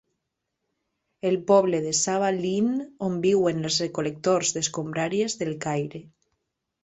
El poble de Zabbaleen, on viuen els recol·lectors d'escombraries del Caire.